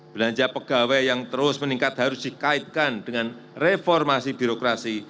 belanja pegawai yang terus meningkat harus dikaitkan dengan reformasi birokrasi